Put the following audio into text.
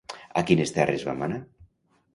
A quines terres va manar?